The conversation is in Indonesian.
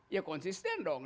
ya konsisten dong